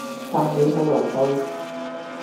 但你無嚟到